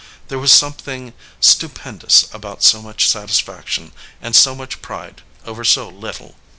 There was something stupendous about so much satisfaction and so much pride over so little.